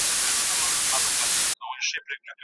ښوونکی د دې نړۍ کشفوونکی دی.